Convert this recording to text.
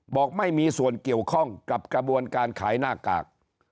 บอกไม่มีส่วนเกี่ยวข้องกับกระบวนการขายหน้ากาก